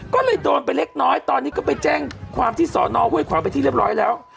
ก็เลยโดนไปเล็กน้อยตอนนี้ก็ไปแจ้งความที่สอนอห้วยขวางไปที่เรียบร้อยแล้ว